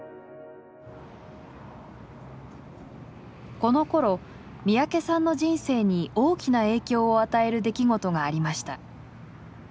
このころ三宅さんの人生に大きな影響を与える出来事がありました。